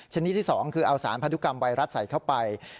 ชนิดที่๒คือเอาสารพันธุกรรมไวรัสใส่เข้าไป